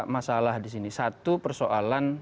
masalah di sini satu persoalan